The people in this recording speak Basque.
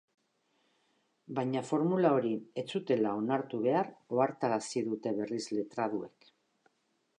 Baina formula hori ez zutela onartu behar ohartarazi dute berriz letraduek.